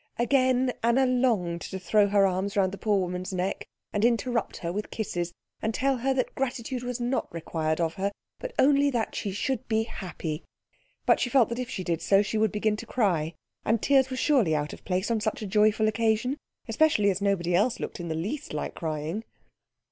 Again Anna longed to throw her arms round the poor woman's neck, and interrupt her with kisses, and tell her that gratitude was not required of her, but only that she should be happy; but she felt that if she did so she would begin to cry, and tears were surely out of place on such a joyful occasion, especially as nobody else looked in the least like crying.